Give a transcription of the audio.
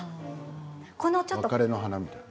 別れの花みたいな。